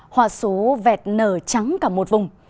hòa sú vẹt nở trắng cả một vùng